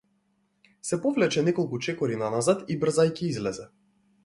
Се повлече неколку чекори наназад и брзајќи излезе.